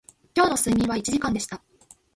今日の睡眠は一時間でした